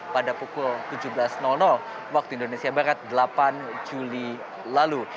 pada pukul tujuh belas waktu indonesia barat delapan juli lalu